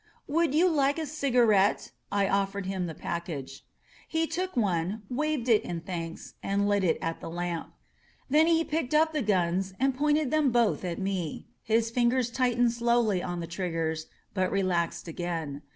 "Would you like a cigarette?" I offered him the package. He took one, waved it in thanks, and lit it at the lamp. Then he picked up the guns and pointed them both at me. His fingers tightened slowly on the triggers, but relaxed again.